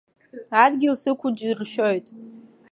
Адгьыл сықәу џьыршьоит.